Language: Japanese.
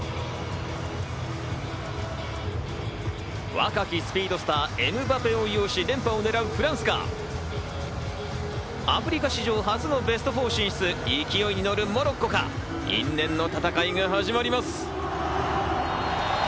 若きスピードスター、エムバペを擁し、連覇をねらうフランスか、アフリカ史上初のベスト４進出、勢いに乗るモロッコか、因縁の戦いが始まります。